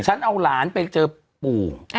ฉันเอาหลานไปเจอปู่